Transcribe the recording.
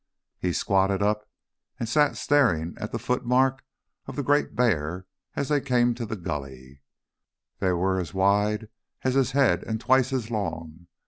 He squatted up and sat staring at the footmarks of the great bear as they came to the gully they were as wide as his head and twice as long.